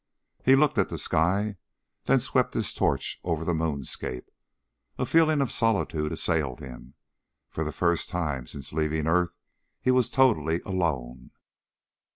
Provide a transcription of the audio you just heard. He looked at the sky, then swept his torch over the moonscape. A feeling of solitude assailed him. For the first time since leaving earth he was totally alone.